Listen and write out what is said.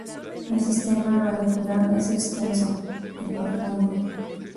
El sistema radicular es extenso y profundo.